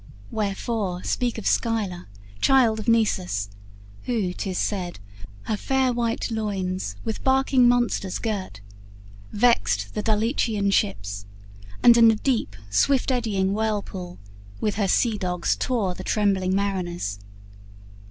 Wherefore speak Of Scylla, child of Nisus, who, 'tis said, Her fair white loins with barking monsters girt Vexed the Dulichian ships, and, in the deep Swift eddying whirlpool, with her sea dogs tore The trembling mariners?